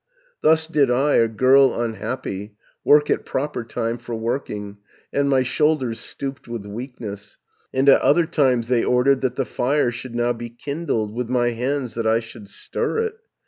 "Thus did I, a girl unhappy, Work at proper time for working, And my shoulders stooped with weakness; And at other times they ordered 630 That the fire should now be kindled, With my hands that I should stir it.